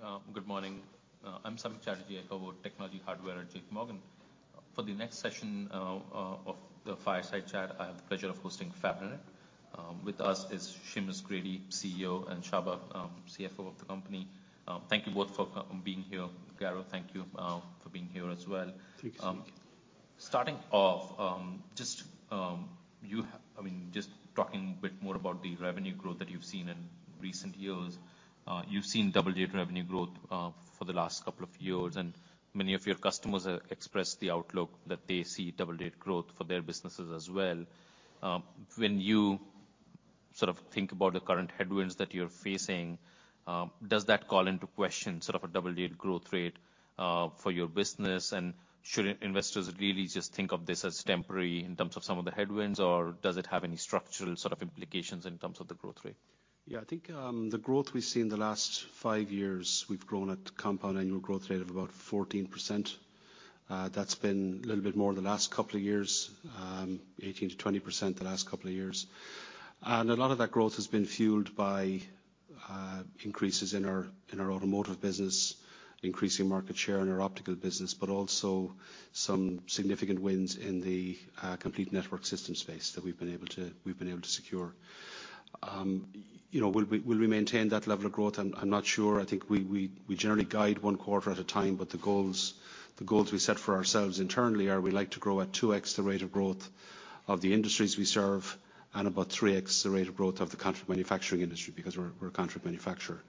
Hi, good morning. I'm Samik Chatterjee, I cover technology hardware at JPMorgan. For the next session of the fireside chat, I have the pleasure of hosting Fabrinet. With us is Seamus Grady, CEO, and Csaba, CFO of the company. Thank you both for being here. Garo, thank you for being here as well. Thank you. Starting off, I mean, just talking a bit more about the revenue growth that you've seen in recent years. You've seen double-digit revenue growth for the last couple of years, and many of your customers express the outlook that they see double-digit growth for their businesses as well. When you sort of think about the current headwinds that you're facing, does that call into question sort of a double-digit growth rate for your business? Should investors really just think of this as temporary in terms of some of the headwinds, or does it have any structural sort of implications in terms of the growth rate? Yeah. I think, the growth we've seen the last five years, we've grown at compound annual growth rate of about 14%. That's been a little bit more the last couple of years, 18%-20% the last couple of years. A lot of that growth has been fueled by increases in our automotive business, increasing market share in our optical business, but also some significant wins in the complete network system space that we've been able to secure. You know, will we maintain that level of growth? I'm not sure. I think we generally guide one quarter at a time. The goals we set for ourselves internally are we like to grow at 2x the rate of growth of the industries we serve, and about 3x the rate of growth of the contract manufacturing industry, because we're a contract manufacturer.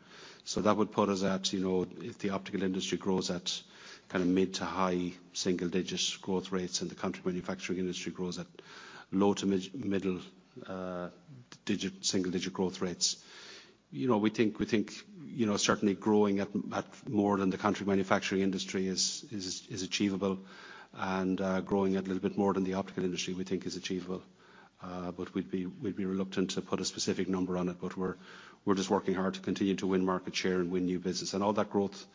That would put us at, you know, if the optical industry grows at kind of mid-to-high single-digit growth rates and the contract manufacturing industry grows at low-to-mid single-digit growth rates. You know, we think, you know, certainly growing at more than the contract manufacturing industry is achievable and growing at a little bit more than the optical industry we think is achievable. We'd be reluctant to put a specific number on it, but we're just working hard to continue to win market share and win new business. All that growth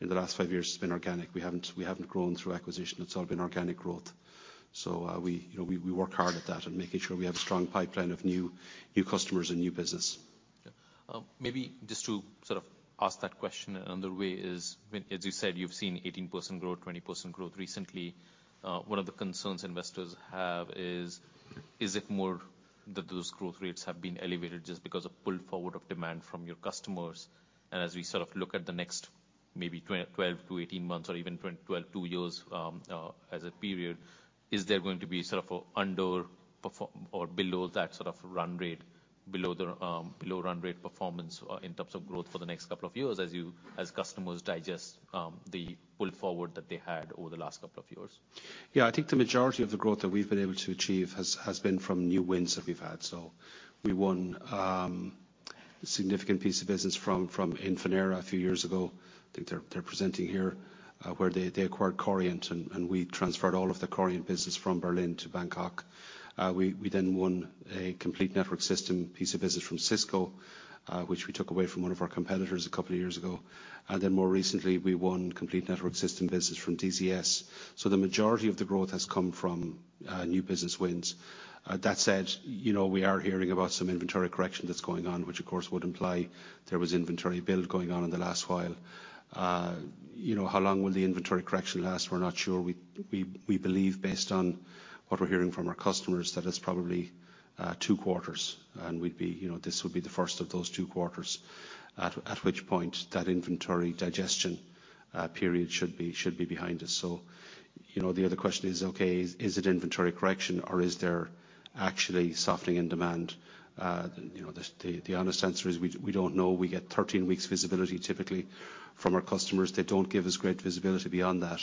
in the last five years has been organic. We haven't grown through acquisition. It's all been organic growth. We, you know, we work hard at that and making sure we have a strong pipeline of new customers and new business. Yeah. Maybe just to sort of ask that question another way is, when... as you said, you've seen 18% growth, 20% growth recently. One of the concerns investors have is it more that those growth rates have been elevated just because of pull forward of demand from your customers? As we sort of look at the next maybe 12 to 18 months or even 12 to 2 years, as a period, is there going to be sort of a underperform or below that sort of run rate, below the, below run rate performance or in terms of growth for the next couple of years as you, as customers digest, the pull forward that they had over the last couple of years? Yeah. I think the majority of the growth that we've been able to achieve has been from new wins that we've had. We won a significant piece of business from Infinera a few years ago, I think they're presenting here, where they acquired Coriant and we transferred all of the Coriant business from Berlin to Bangkok. We then won a complete network system piece of business from Cisco, which we took away from one of our competitors a couple of years ago. More recently, we won complete network system business from DZS. The majority of the growth has come from new business wins. That said, you know, we are hearing about some inventory correction that's going on, which of course would imply there was inventory build going on in the last while. You know, how long will the inventory correction last? We're not sure. We believe based on what we're hearing from our customers that it's probably two quarters and we'd be, you know, this would be the first of those two quarters. At which point that inventory digestion period should be behind us. You know, the other question is, okay, is it inventory correction or is there actually softening in demand? You know, the honest answer is we don't know. We get 13 weeks visibility typically from our customers. They don't give us great visibility beyond that.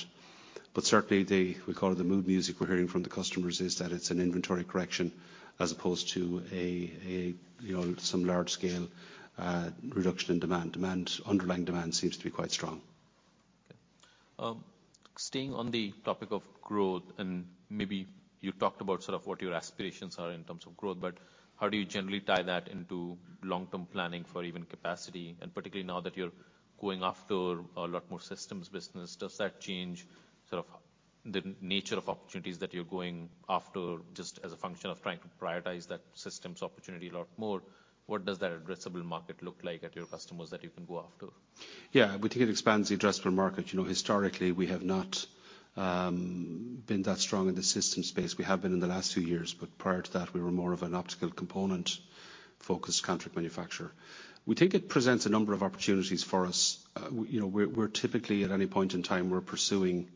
Certainly the, we call it the mood music we're hearing from the customers is that it's an inventory correction as opposed to a, you know, some large scale reduction in demand. Demand, underlying demand seems to be quite strong. Staying on the topic of growth, and maybe you talked about sort of what your aspirations are in terms of growth, but how do you generally tie that into long-term planning for even capacity? Particularly now that you're going after a lot more systems business, does that change sort of the nature of opportunities that you're going after just as a function of trying to prioritize that systems opportunity a lot more? What does that addressable market look like at your customers that you can go after? Yeah. We think it expands the addressable market. You know, historically, we have not been that strong in the system space. We have been in the last two years, but prior to that we were more of an optical component-focused contract manufacturer. We think it presents a number of opportunities for us. You know, we're typically, at any point in time, we're pursuing,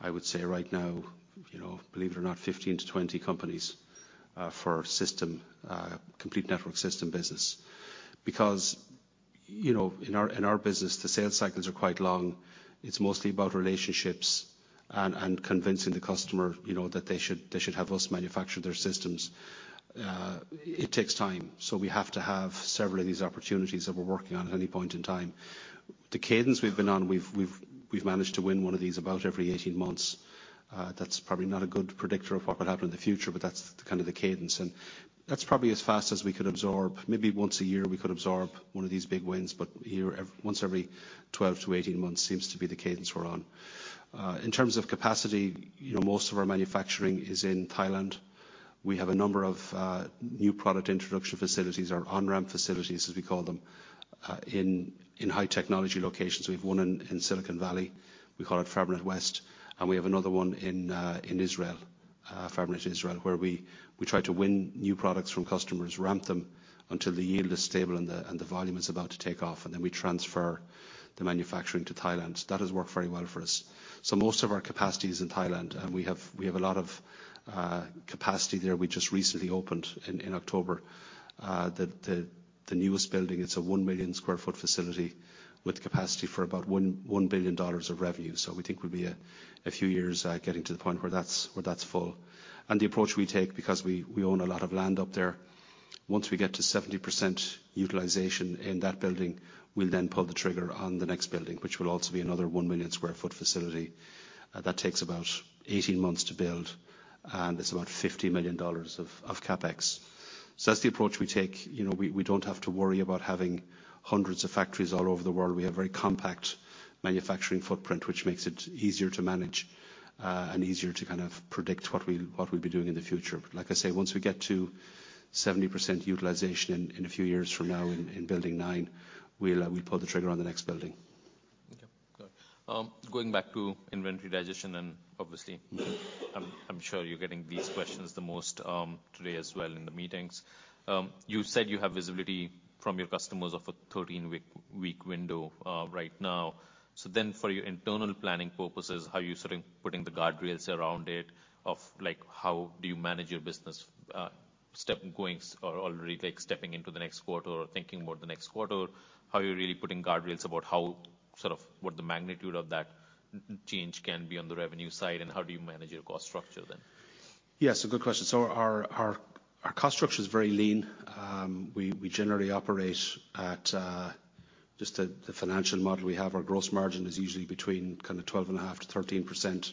I would say right now, you know, believe it or not, 15 to 20 companies for system, complete network system business. You know, in our, in our business, the sales cycles are quite long. It's mostly about relationships and convincing the customer, you know, that they should have us manufacture their systems. It takes time, we have to have several of these opportunities that we're working on at any point in time. The cadence we've been on, we've managed to win one of these about every 18 months. That's probably not a good predictor of what would happen in the future, but that's kind of the cadence. That's probably as fast as we could absorb. Maybe once a year, we could absorb one of these big wins, but once every 12 to 18 months seems to be the cadence we're on. In terms of capacity, you know, most of our manufacturing is in Thailand. We have a number of new product introduction facilities or on-ramp facilities, as we call them, in high technology locations. We have one in Silicon Valley. We call it Fabrinet West. We have another one in Israel, Fabrinet Israel, where we try to win new products from customers, ramp them until the yield is stable and the volume is about to take off, and then we transfer the manufacturing to Thailand. That has worked very well for us. Most of our capacity is in Thailand, and we have a lot of capacity there. We just recently opened in October, the newest building. It's a 1 million sq ft facility with capacity for about $1 billion of revenue. We think we'll be a few years getting to the point where that's, where that's full. The approach we take, because we own a lot of land up there, once we get to 70% utilization in that building, we'll then pull the trigger on the next building, which will also be another 1 million sq ft facility. That takes about 18 months to build, and it's about $50 million of CapEx. That's the approach we take. You know, we don't have to worry about having hundreds of factories all over the world. We have very compact manufacturing footprint, which makes it easier to manage and easier to kind of predict what we'll be doing in the future. Like I say, once we get to 70% utilization in a few years from now in building 9, we'll pull the trigger on the next building. Okay, got it. Going back to inventory digestion. Mm-hmm. I'm sure you're getting these questions the most today as well in the meetings. You said you have visibility from your customers of a 13-week window right now. For your internal planning purposes, how are you sort of putting the guardrails around it of, like, how do you manage your business step going or already, like, stepping into the next quarter or thinking about the next quarter? How are you really putting guardrails about how sort of what the magnitude of that change can be on the revenue side, and how do you manage your cost structure then? Yes, a good question. Our cost structure is very lean. We generally operate at just the financial model we have, our gross margin is usually between kinda 12.5%-13%.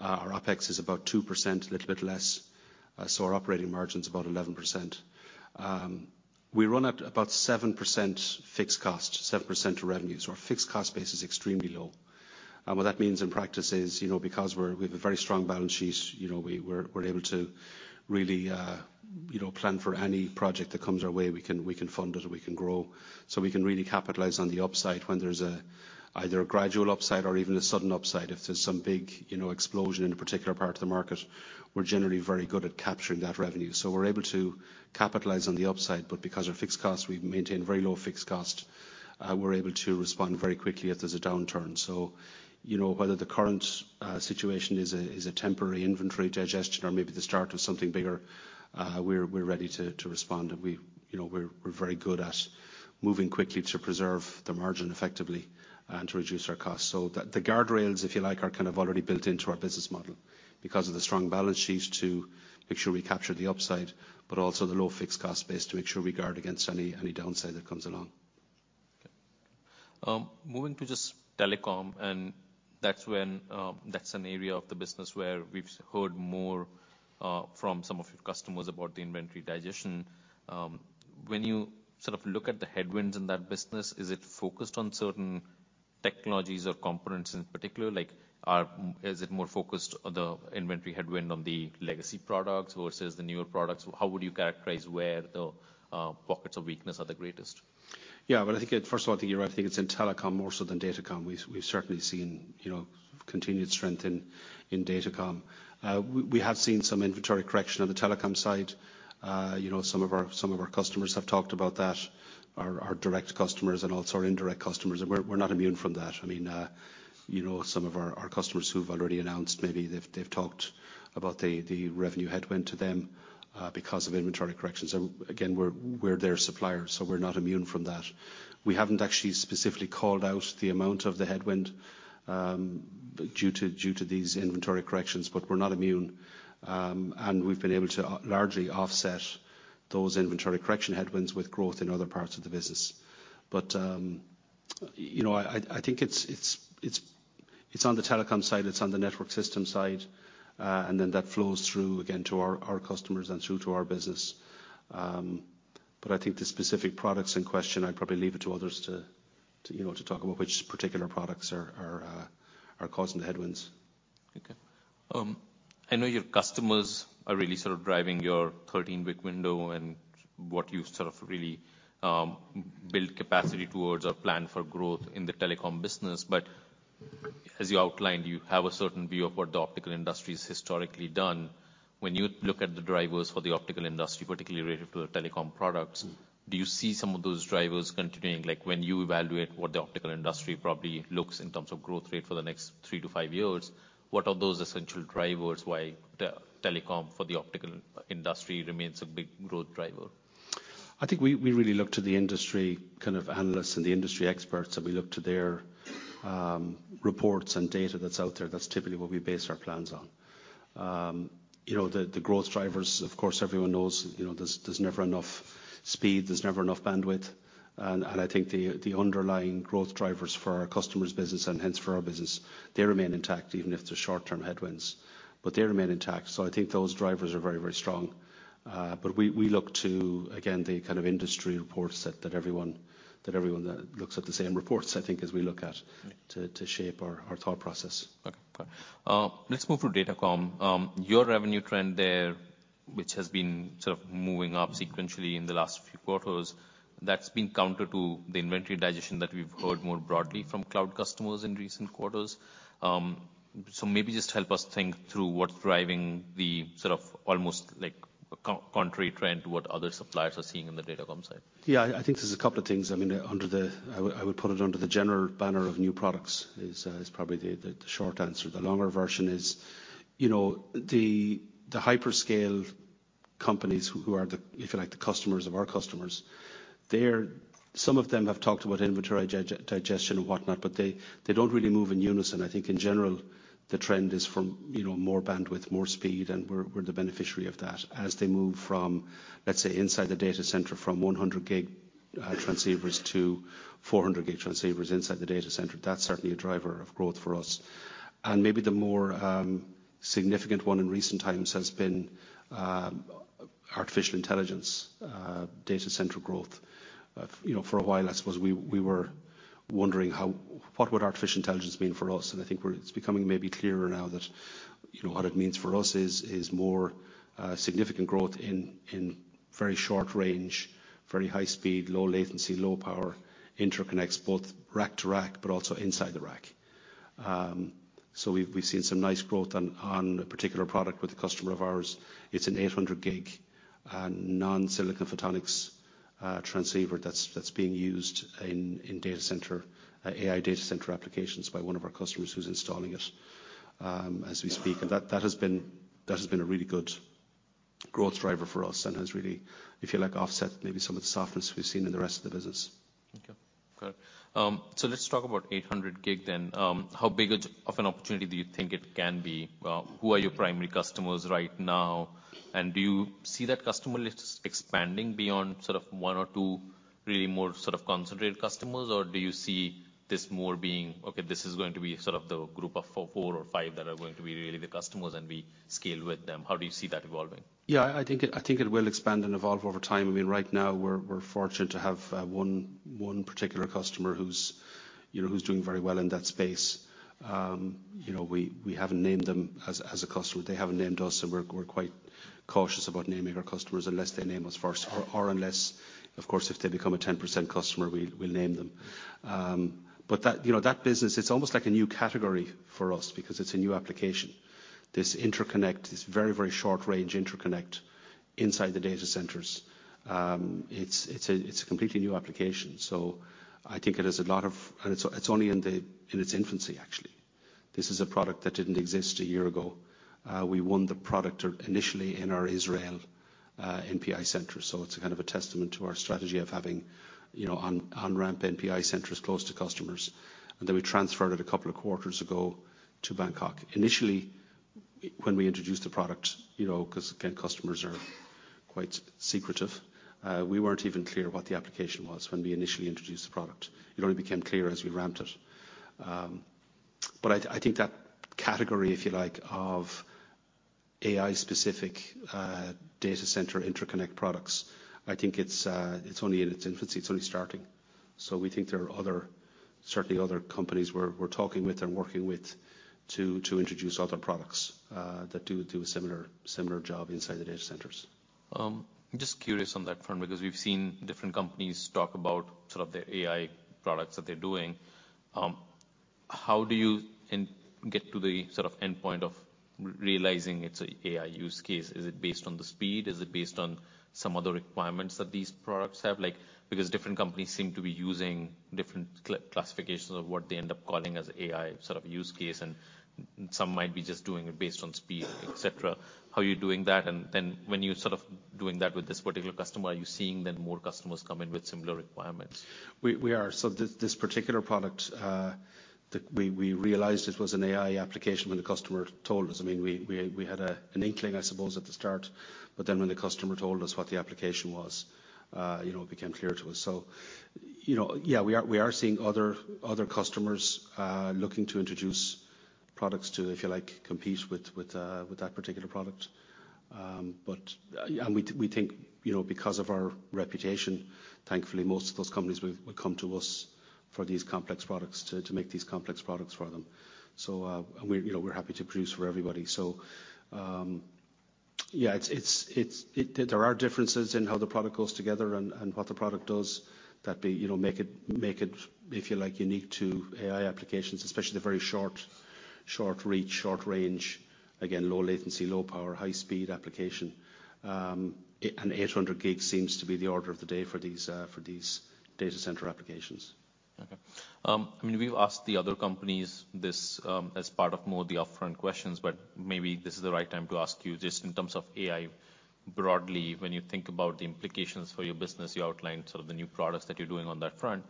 Our OpEx is about 2%, a little bit less. Our operating margin's about 11%. We run at about 7% fixed cost, 7% of revenues. Our fixed cost base is extremely low. What that means in practice is, you know, because we're, we have a very strong balance sheet, you know, we're able to really, you know, plan for any project that comes our way. We can fund it and we can grow. We can really capitalize on the upside when there's either a gradual upside or even a sudden upside. If there's some big, you know, explosion in a particular part of the market, we're generally very good at capturing that revenue. We're able to capitalize on the upside, but because our fixed costs, we maintain very low fixed cost, we're able to respond very quickly if there's a downturn. You know, whether the current situation is a temporary inventory digestion or maybe the start of something bigger, we're ready to respond. We, you know, we're very good at moving quickly to preserve the margin effectively and to reduce our costs. The guardrails, if you like, are kind of already built into our business model because of the strong balance sheet to make sure we capture the upside, but also the low fixed cost base to make sure we guard against any downside that comes along. Okay. Moving to just telecom, that's when, that's an area of the business where we've heard more, from some of your customers about the inventory digestion. When you sort of look at the headwinds in that business, is it focused on certain technologies or components in particular? Is it more focused on the inventory headwind on the legacy products versus the newer products? How would you characterize where the pockets of weakness are the greatest? Well, I think first of all, I think you're right. I think it's in telecom more so than datacom. We've certainly seen, you know, continued strength in datacom. We have seen some inventory correction on the telecom side. You know, some of our customers have talked about that, our direct customers and also our indirect customers, and we're not immune from that. I mean, you know, some of our customers who've already announced, maybe they've talked about the revenue headwind to them because of inventory corrections. Again, we're their supplier, so we're not immune from that. We haven't actually specifically called out the amount of the headwind due to these inventory corrections, but we're not immune. We've been able to largely offset those inventory correction headwinds with growth in other parts of the business. You know, I think it's, it's on the telecom side, it's on the network system side, and then that flows through again to our customers and through to our business. I think the specific products in question, I'd probably leave it to others to, you know, to talk about which particular products are causing the headwinds. Okay. I know your customers are really sort of driving your 13-week window and what you've sort of really built capacity towards or planned for growth in the telecom business. As you outlined, you have a certain view of what the optical industry has historically done. When you look at the drivers for the optical industry, particularly related to the telecom products. Mm-hmm. Do you see some of those drivers continuing? Like, when you evaluate what the optical industry probably looks in terms of growth rate for the next three to five years, what are those essential drivers why telecom for the optical industry remains a big growth driver? I think we really look to the industry kind of analysts and the industry experts, and we look to their reports and data that's out there. That's typically what we base our plans on. You know, the growth drivers, of course, everyone knows, you know, there's never enough speed, there's never enough bandwidth. I think the underlying growth drivers for our customers' business and hence for our business, they remain intact even if they're short-term headwinds. They remain intact, so I think those drivers are very strong. We look to, again, the kind of industry reports that everyone looks at the same reports, I think, as we look at. Right to shape our thought process. Okay. Got it. Let's move to Datacom. Your revenue trend there, which has been sort of moving up sequentially in the last few quarters, that's been counter to the inventory digestion that we've heard more broadly from cloud customers in recent quarters. Maybe just help us think through what's driving the sort of almost like contrary trend to what other suppliers are seeing on the Datacom side. I think there's a couple of things. I mean, I would, I would put it under the general banner of new products is probably the short answer. The longer version is, you know, the hyperscale companies who are the, if you like, the customers of our customers, Some of them have talked about inventory digestion and whatnot, but they don't really move in unison. I think in general, the trend is from, you know, more bandwidth, more speed, and we're the beneficiary of that. As they move from, let's say, inside the data center from 100G transceivers to 400G transceivers inside the data center, that's certainly a driver of growth for us. Maybe the more significant one in recent times has been artificial intelligence data center growth. You know, for a while I suppose we were wondering how... what would artificial intelligence mean for us? I think it's becoming maybe clearer now that, you know, what it means for us is more significant growth in very short-range, very high speed, low latency, low power interconnects, both rack to rack but also inside the rack. We've, we've seen some nice growth on a particular product with a customer of ours. It's an 800G non-silicon photonics transceiver that's being used in data center AI data center applications by one of our customers who's installing it as we speak. That has been a really good growth driver for us and has really, if you like, offset maybe some of the softness we've seen in the rest of the business. Okay. Got it. Let's talk about 800G then. How big of an opportunity do you think it can be? Who are your primary customers right now? Do you see that customer list expanding beyond sort of one or two really more sort of concentrated customers? Do you see this more being, okay, this is going to be sort of the group of four or five that are going to be really the customers and we scale with them. How do you see that evolving? Yeah. I think it will expand and evolve over time. I mean, right now we're fortunate to have one particular customer who's, you know, who's doing very well in that space. You know, we haven't named them as a customer. They haven't named us, so we're quite cautious about naming our customers unless they name us first or unless, of course, if they become a 10% customer, we'll name them. But that, you know, that business, it's almost like a new category for us because it's a new application. This interconnect, this very short-range interconnect inside the data centers, it's a completely new application. I think it has a lot of... It's only in its infancy actually. This is a product that didn't exist a year ago. We won the product initially in our Israel, NPI center, so it's a kind of a testament to our strategy of having, you know, on-ramp NPI centers close to customers. Then we transferred it couple of quarters ago to Bangkok. Initially, when we introduced the product, you know, 'cause again, customers are quite secretive, we weren't even clear what the application was when we initially introduced the product. It only became clear as we ramped it. I think that category, if you like, of AI-specific, data center interconnect products, I think it's only in its infancy. It's only starting. We think there are other, certainly other companies we're talking with and working with to introduce other products that do a similar job inside the data centers. I'm just curious on that front because we've seen different companies talk about sort of the AI products that they're doing. How do you get to the sort of endpoint of realizing it's a AI use case? Is it based on the speed? Is it based on some other requirements that these products have? Like, because different companies seem to be using different classifications of what they end up calling as AI sort of use case, and some might be just doing it based on speed, et cetera. How are you doing that? When you're sort of doing that with this particular customer, are you seeing then more customers come in with similar requirements? We are. This particular product, the... We realized it was an AI application when the customer told us. I mean, we had an inkling, I suppose, at the start. Then when the customer told us what the application was, you know, it became clear to us. You know, yeah, we are seeing other customers looking to introduce products to, if you like, compete with that particular product. And we think, you know, because of our reputation, thankfully most of those companies will come to us for these complex products, to make these complex products for them. And we're, you know, happy to produce for everybody. Yeah, it's... It... There are differences in how the product goes together and what the product does that, you know, make it, if you like, unique to AI applications, especially the very short reach, short range, again, low latency, low power, high speed application. An 800G seems to be the order of the day for these data center applications. Okay. I mean, we've asked the other companies this, as part of more of the upfront questions, but maybe this is the right time to ask you just in terms of AI broadly. When you think about the implications for your business, you outlined sort of the new products that you're doing on that front.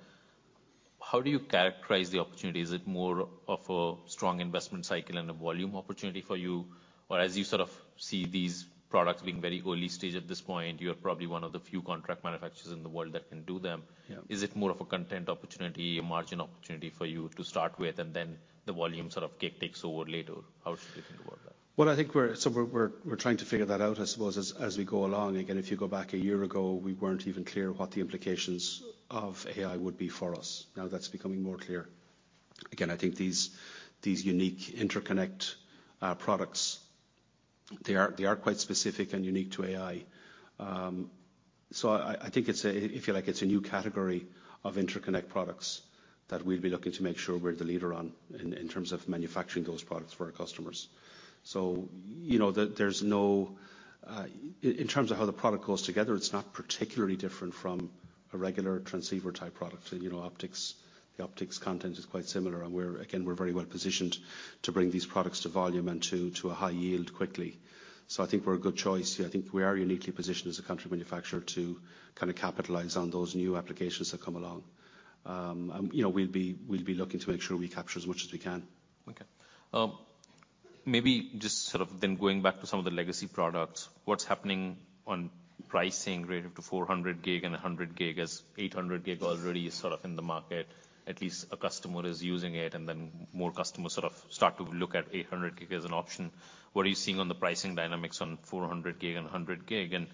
How do you characterize the opportunity? Is it more of a strong investment cycle and a volume opportunity for you? Or as you sort of see these products being very early stage at this point, you're probably one of the few contract manufacturers in the world that can do them. Yeah. Is it more of a content opportunity, a margin opportunity for you to start with, and then the volume sort of takes over later? How should we think about that? I think we're trying to figure that out, I suppose, as we go along. Again, if you go back a year ago, we weren't even clear what the implications of AI would be for us. Now that's becoming more clear. Again, I think these unique interconnect products, they are quite specific and unique to AI. I think it's a, if you like, it's a new category of interconnect products that we'd be looking to make sure we're the leader on in terms of manufacturing those products for our customers. You know there's no. In terms of how the product goes together, it's not particularly different from a regular transceiver-type product. You know, optics, the optics content is quite similar, and we're, again, we're very well-positioned to bring these products to volume and to a high yield quickly. I think we're a good choice. I think we are uniquely positioned as a contract manufacturer to kind of capitalize on those new applications that come along. You know, we'll be looking to make sure we capture as much as we can. Maybe just sort of going back to some of the legacy products, what's happening on pricing related to 400G and 100G as 800G already is sort of in the market. At least a customer is using it, more customers sort of start to look at 800G as an option. What are you seeing on the pricing dynamics on 400G and 100G?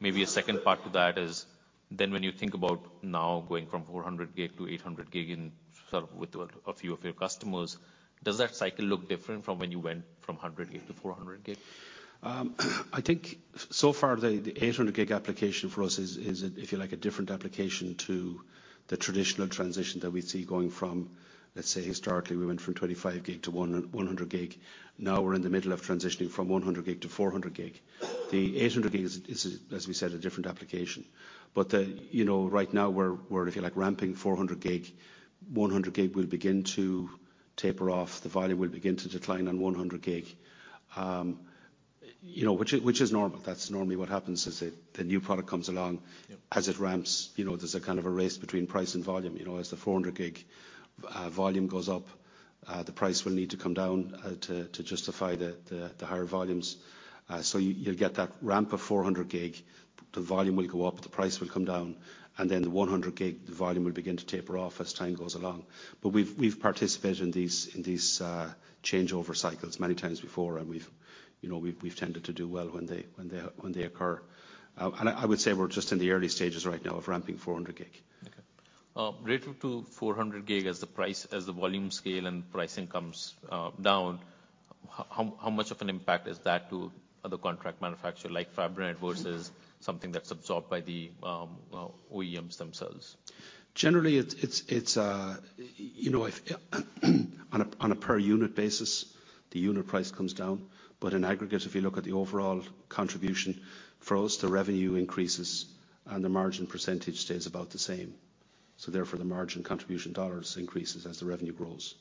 Maybe a second part to that is, when you think about now going from 400G to 800G in sort of with a few of your customers, does that cycle look different from when you went from 100G to 400G? I think so far, the 800G application for us is, if you like, a different application to the traditional transition that we see going from, let's say historically, we went from 25G to 100G. Now we're in the middle of transitioning from 100G to 400G. The 800G is, as we said, a different application. The, you know, right now we're, if you like, ramping 400G. 100G will begin to taper off. The volume will begin to decline on 100G, you know, which is normal. That's normally what happens, is the new product comes along. Yeah. As it ramps, you know, there's a kind of a race between price and volume. You know, as the 400G volume goes up, the price will need to come down to justify the higher volumes. You'll get that ramp of 400G. The volume will go up, the price will come down, and then the 100G, the volume will begin to taper off as time goes along. We've participated in these changeover cycles many times before, and we've, you know, we've tended to do well when they occur. I would say we're just in the early stages right now of ramping 400G. Okay. related to 400G as the price, as the volume scale and pricing comes down, how much of an impact is that to other contract manufacturer like Fabrinet versus something that's absorbed by the OEMs themselves? Generally, it's, you know, if, on a per unit basis, the unit price comes down. In aggregate, if you look at the overall contribution, for us, the revenue increases and the margin percentage stays about the same. Therefore, the margin contribution dollars increases as the revenue grows.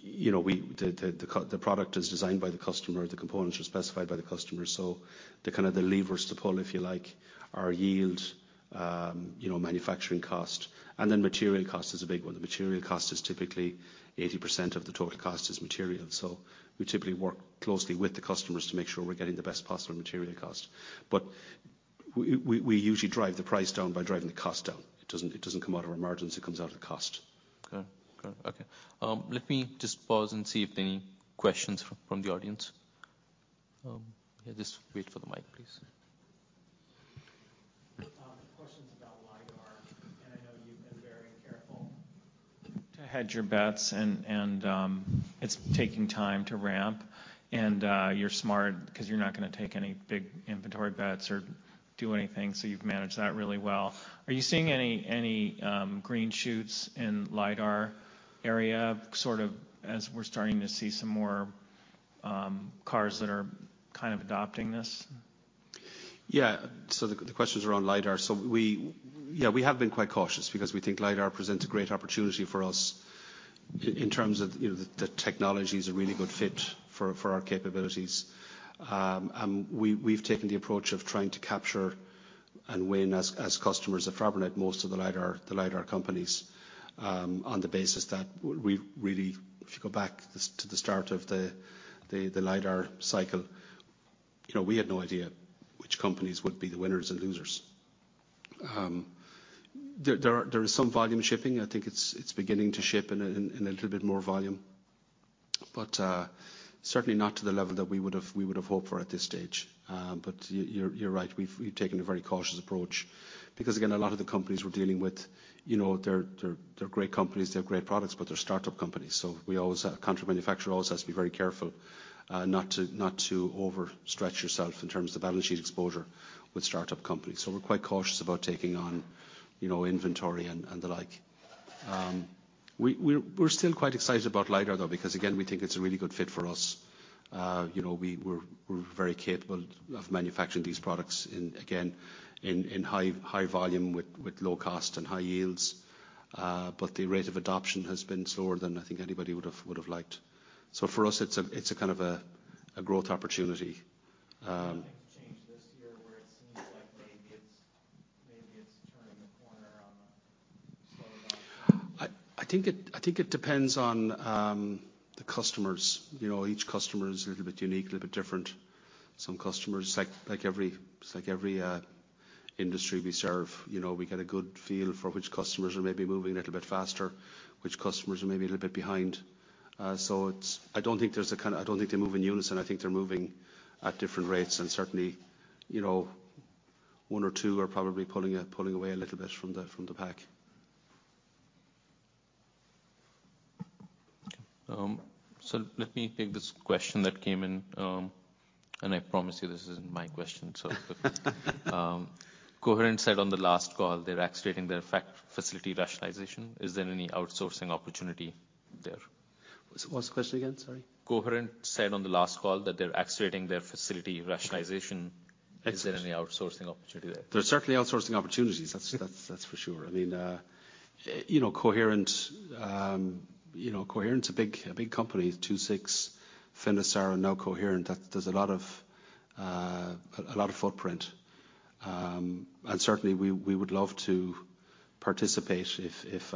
You know, The product is designed by the customer. The components are specified by the customer. The kind of the levers to pull, if you like, are yield, you know, manufacturing cost, and then material cost is a big one. The material cost is typically 80% of the total cost is material. We typically work closely with the customers to make sure we're getting the best possible material cost. We usually drive the price down by driving the cost down. It doesn't come out of our margins, it comes out of the cost. Okay. Okay. Okay. Let me just pause and see if there are any questions from the audience. Yeah, just wait for the mic, please. The question's about LIDAR, and I know you've been very careful to hedge your bets and, it's taking time to ramp. You're smart 'cause you're not gonna take any big inventory bets or do anything, so you've managed that really well. Are you seeing any green shoots in LIDAR area, sort of as we're starting to see some more cars that are kind of adopting this? Yeah. The questions are on LIDAR. Yeah, we have been quite cautious because we think LIDAR presents a great opportunity for us in terms of, you know, the technology's a really good fit for our capabilities. We've taken the approach of trying to capture and win as customers of Fabrinet most of the LIDAR, the LIDAR companies, on the basis that we really, if you go back to the start of the LIDAR cycle, you know, we had no idea which companies would be the winners and losers. There are, there is some volume shipping. I think it's beginning to ship in a little bit more volume, but certainly not to the level that we would've hoped for at this stage. You're right. We've taken a very cautious approach because again, a lot of the companies we're dealing with, you know, they're great companies, they have great products, but they're startup companies. We always contract manufacturer always has to be very careful not to overstretch yourself in terms of balance sheet exposure with startup companies. We're quite cautious about taking on, you know, inventory and the like. We're still quite excited about LIDAR though, because again, we think it's a really good fit for us. you know, we're very capable of manufacturing these products in high volume with low cost and high yields. The rate of adoption has been slower than I think anybody would've liked. For us, it's a kind of a growth opportunity. Um- Like maybe it's turning the corner on the slowdown. I think it depends on the customers. You know, each customer is a little bit unique, a little bit different. Some customers, like every, just like every industry we serve, you know, we get a good feel for which customers are maybe moving a little bit faster, which customers are maybe a little bit behind. So it's... I don't think they move in unison. I think they're moving at different rates, and certainly, you know, one or two are probably pulling away a little bit from the pack. Let me take this question that came in. I promise you this isn't my question. Coherent said on the last call they're accelerating their facility rationalization. Is there any outsourcing opportunity there? What's the question again? Sorry. Coherent said on the last call that they're accelerating their facility rationalization. I see. Is there any outsourcing opportunity there? There's certainly outsourcing opportunities. That's for sure. I mean, you know, Coherent, you know, Coherent's a big company. II-VI, Finisar, and now Coherent. There's a lot of footprint. Certainly we would love to participate if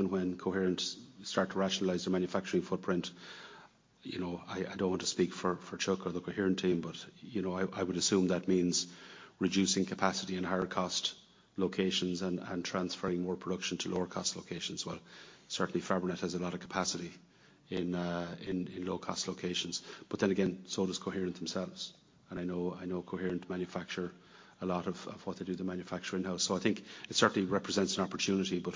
and when Coherent start to rationalize their manufacturing footprint. You know, I don't want to speak for Chuck or the Coherent team, but, you know, I would assume that means reducing capacity in higher cost locations and transferring more production to lower cost locations. Certainly Fabrinet has a lot of capacity in low cost locations. So does Coherent themselves, and I know Coherent manufacture a lot of what they do they manufacture in-house. I think it certainly represents an opportunity, but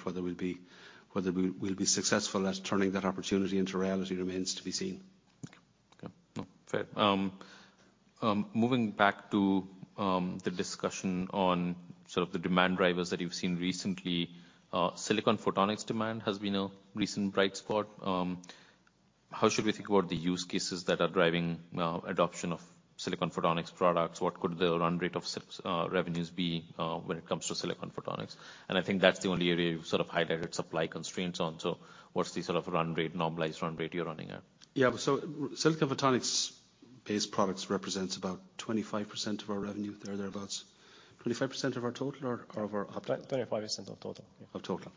whether we'll be successful at turning that opportunity into reality remains to be seen. Okay. No, fair. Moving back to the discussion on sort of the demand drivers that you've seen recently, silicon photonics demand has been a recent bright spot. How should we think about the use cases that are driving adoption of silicon photonics products? What could the run rate of revenues be when it comes to silicon photonics? I think that's the only area you've sort of highlighted supply constraints on, so what's the sort of run rate, normalized run rate you're running at? Yeah. silicon photonics-based products represents about 25% of our revenue, there or thereabouts. 25% of our total or of our. 25% of total. Yeah. Of total.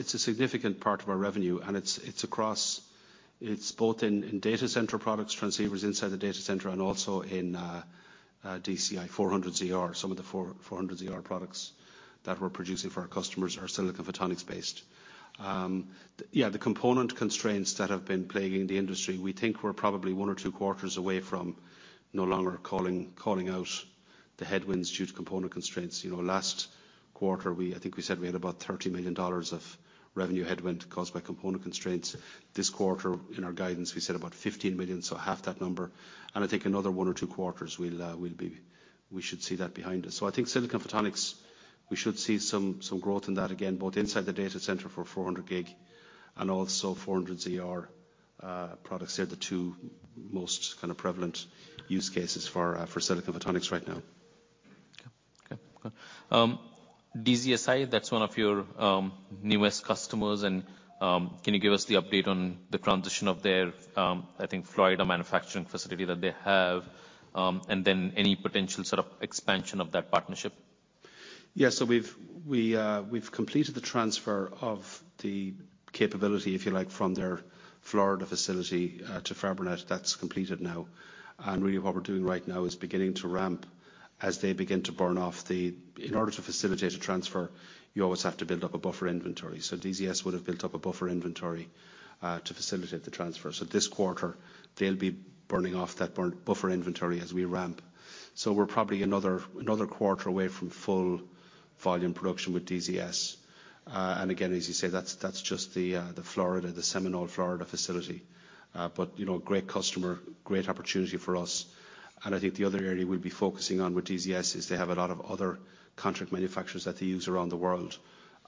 It's a significant part of our revenue, and it's across. It's both in data center products, transceivers inside the data center and also in DCI 400ZR. Some of the 400ZR products that we're producing for our customers are silicon photonics based. Yeah, the component constraints that have been plaguing the industry, we think we're probably one or two quarters away from no longer calling out the headwinds due to component constraints. You know, last quarter we, I think we said we had about $30 million of revenue headwind caused by component constraints. This quarter, in our guidance, we said about $15 million, so half that number, and I think another one or two quarters we'll be. We should see that behind us. I think silicon photonics, we should see some growth in that again, both inside the data center for 400G and also 400ZR products. They're the two most kind of prevalent use cases for silicon photonics right now. Okay. Okay, cool. DZS, that's one of your newest customers. Can you give us the update on the transition of their, I think Florida manufacturing facility that they have, and then any potential sort of expansion of that partnership? Yeah. We've, we've completed the transfer of the capability, if you like, from their Florida facility to Fabrinet. That's completed now. Really what we're doing right now is beginning to ramp as they begin to burn off the. In order to facilitate a transfer, you always have to build up a buffer inventory. DZS would have built up a buffer inventory to facilitate the transfer. This quarter they'll be burning off that buffer inventory as we ramp. We're probably another quarter away from full volume production with DZS. Again, as you say, that's just the Florida, the Seminole, Florida, facility. You know, a great customer, great opportunity for us. I think the other area we'll be focusing on with DZS is they have a lot of other contract manufacturers that they use around the world.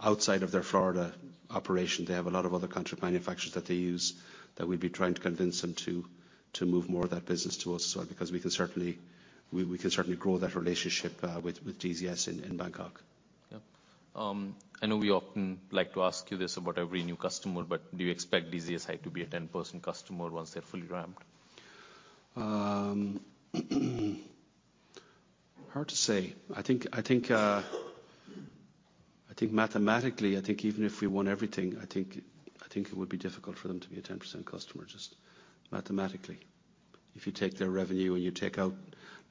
Outside of their Florida operation, they have a lot of other contract manufacturers that they use, that we'll be trying to convince them to move more of that business to us, because we can certainly grow that relationship with DZS in Bangkok. Yeah. I know we often like to ask you this about every new customer, do you expect DZS to be a 10% customer once they're fully ramped? Hard to say. I think mathematically, I think even if we won everything, I think it would be difficult for them to be a 10% customer, just mathematically. If you take their revenue and you take out,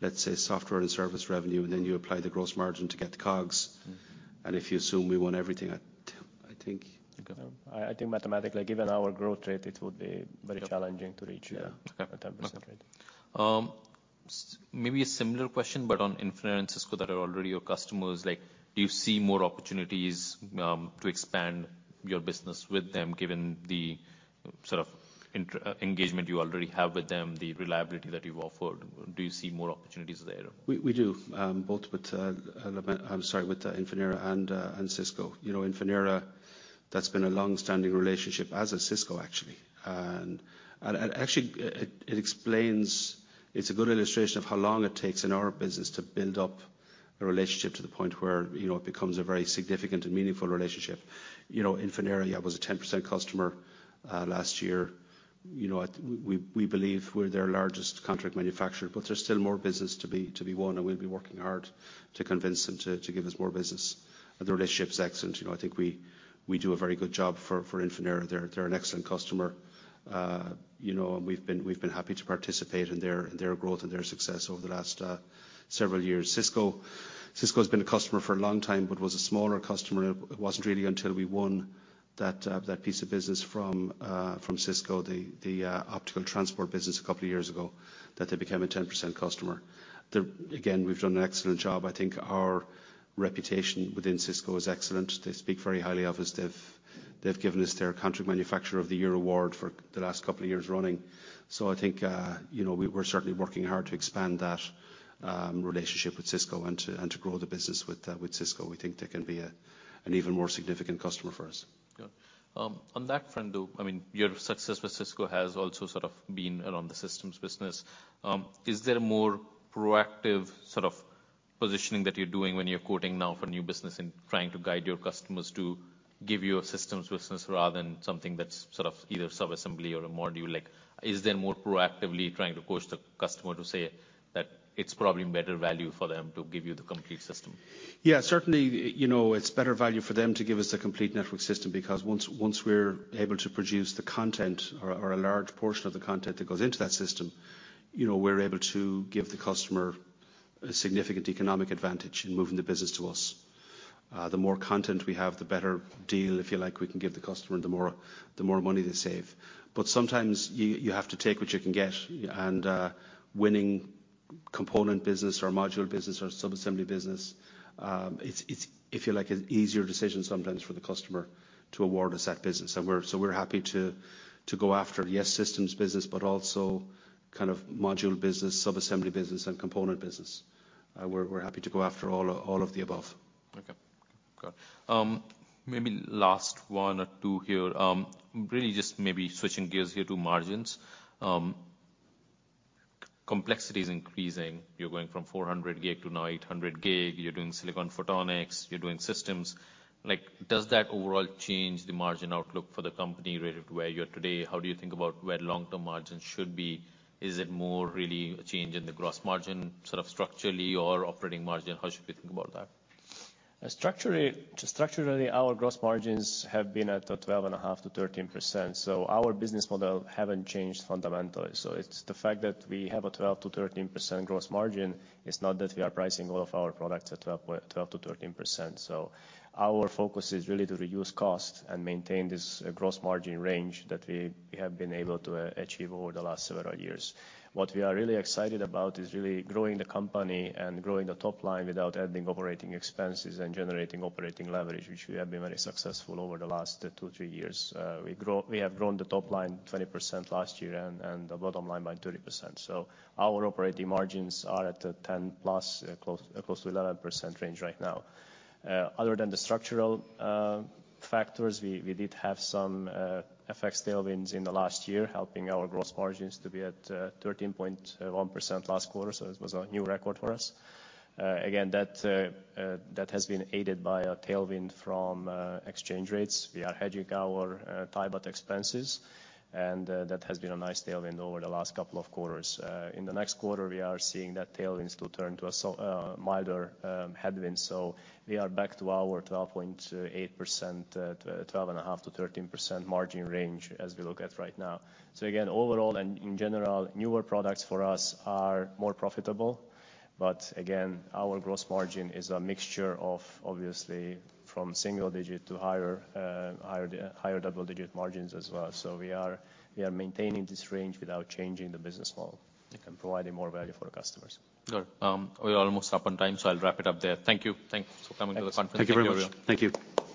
let's say, software and service revenue, and then you apply the gross margin to get the COGS- Mm-hmm. If you assume we won everything, I think. Okay. I think mathematically, given our growth rate, it would be very challenging... Yep. -to reach, yeah- Yeah. Okay. a 10% rate. Maybe a similar question, but on Infinera and Cisco that are already your customers, like, do you see more opportunities to expand your business with them given the sort of engagement you already have with them, the reliability that you've offered? Do you see more opportunities there? We do, I'm sorry, with Infinera and Cisco. You know, Infinera, that's been a long-standing relationship as has Cisco, actually. Actually it explains. It's a good illustration of how long it takes in our business to build up a relationship to the point where, you know, it becomes a very significant and meaningful relationship. You know, Infinera was a 10% customer last year. You know, I believe we're their largest contract manufacturer, but there's still more business to be won, and we'll be working hard to convince them to give us more business. The relationship's excellent. You know, I think we do a very good job for Infinera. They're an excellent customer. you know, and we've been, we've been happy to participate in their growth and their success over the last several years. Cisco. Cisco's been a customer for a long time, but was a smaller customer. It wasn't really until we won that piece of business from Cisco, the optical transport business a couple of years ago, that they became a 10% customer. Again, we've done an excellent job. I think our reputation within Cisco is excellent. They speak very highly of us. They've given us their Contract Manufacturer of the Year award for the last couple of years running. I think, you know, we're certainly working hard to expand that relationship with Cisco and to, and to grow the business with Cisco. We think they can be an even more significant customer for us. On that front, though, I mean, your success with Cisco has also sort of been around the systems business. Is there a more proactive sort of positioning that you're doing when you're quoting now for new business and trying to guide your customers to give you a systems business rather than something that's sort of either sub-assembly or a module? Like, is there more proactively trying to coach the customer to say that it's probably better value for them to give you the complete system? Yeah. Certainly, you know, it's better value for them to give us the complete network system because once we're able to produce the content or a large portion of the content that goes into that system, you know, we're able to give the customer a significant economic advantage in moving the business to us. The more content we have, the better deal, if you like, we can give the customer, and the more money they save. Sometimes you have to take what you can get and, winning component business or module business or sub-assembly business, it's if you like, an easier decision sometimes for the customer to award us that business. We're happy to go after, yes, systems business, but also kind of module business, sub-assembly business, and component business. We're happy to go after all of the above. Okay. Got it. Maybe last 1 or 2 here. Really just maybe switching gears here to margins. Complexity is increasing. You're going from 400G to now 800G. You're doing silicon photonics. You're doing systems. Like, does that overall change the margin outlook for the company relative to where you are today? How do you think about where long-term margins should be? Is it more really a change in the gross margin sort of structurally or operating margin? How should we think about that? Structurally, our gross margins have been at a 12.5%-13%. Our business model haven't changed fundamentally. It's the fact that we have a 12%-13% gross margin. It's not that we are pricing all of our products at 12%-13%. Our focus is really to reduce cost and maintain this gross margin range that we have been able to achieve over the last several years. What we are really excited about is really growing the company and growing the top line without adding operating expenses and generating operating leverage, which we have been very successful over the last two, three years. We have grown the top line 20% last year and the bottom line by 30%. Our operating margins are at a 10 plus, close to 11% range right now. Other than the structural factors, we did have some FX tailwinds in the last year, helping our gross margins to be at 13.1% last quarter. It was a new record for us. Again, that has been aided by a tailwind from exchange rates. We are hedging our Thai Baht expenses, that has been a nice tailwind over the last couple of quarters. In the next quarter, we are seeing that tailwinds to turn to a so milder headwind. We are back to our 12.8%, 12.5%-13% margin range as we look at right now. Again, overall and in general, newer products for us are more profitable. Again, our gross margin is a mixture of obviously from single-digit to higher double-digit margins as well. We are maintaining this range without changing the business model and providing more value for the customers. Sure. We're almost up on time, so I'll wrap it up there. Thank you. Thank you for coming to the conference. Thank you. Thank you very much. Thank you.